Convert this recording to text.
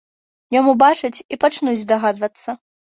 Днём убачаць і пачнуць здагадвацца.